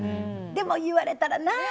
でも、言われたらな。